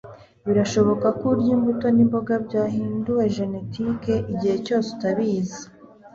Birashoboka ko urya imbuto nimboga byahinduwe genetique igihe cyose utabizi